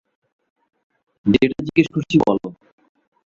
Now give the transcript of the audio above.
যেটা জিজ্ঞেস করছি বলো।